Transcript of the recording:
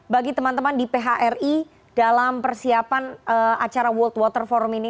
bagi teman teman di phri dalam persiapan acara world water forum ini